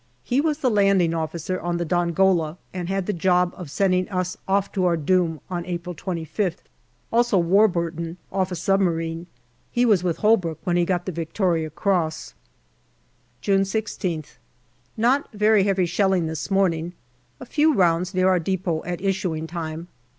He was the Landing Officer on the Dongola, and had the job of sending us off to our doom on April 25th. Also Warburton, off a submarine. He was with Holbrook when he got the V.C. June I6th. Not very heavy shelling this morning. A few rounds near our depot at issuing time.